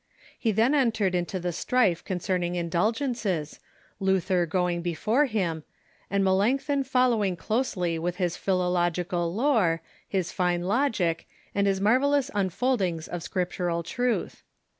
He then entered into the strife concerning indulgences, Luther going before him, and Melanchthon following closely with his philological lore, his fine logic, and his marvellous unfoldings of scriptural truth.